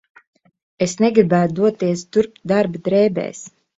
Es negribētu doties turp darba drēbēs.